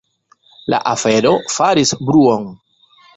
La afero faris bruon.